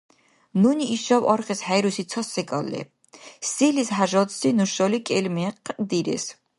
Нуни ишаб аргъес хӀейруси ца секӀал леб: селис хӀяжатси нушани кӀел мекъ дирес?